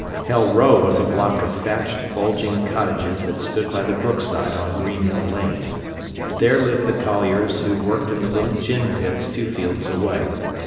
Hell Row was a block of thatched, bulging cottages that stood by the brookside on Greenhill Lane. There lived the colliers who worked in the little gin pits two fields away.